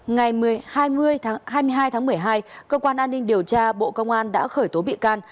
ngày hai mươi hai tháng một mươi hai cơ quan an ninh điều tra bộ công an đã khởi tố bị can